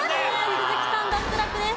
鈴木さん脱落です。